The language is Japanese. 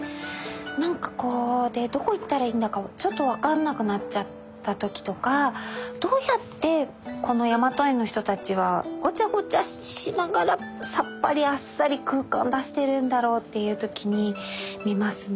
なんかこうどこいったらいいんだかちょっと分かんなくなっちゃった時とかどうやってこの「やまと絵」の人たちはごちゃごちゃしながらさっぱりあっさり空間出しているんだろうっていう時に見ますね。